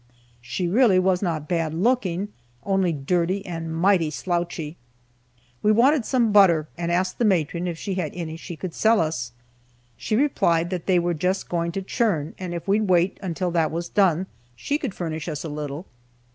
She really was not bad looking, only dirty and mighty slouchy. We wanted some butter, and asked the matron if she had any she could sell us. She replied that they were just going to churn, and if we'd wait until that was done, she could furnish us a little.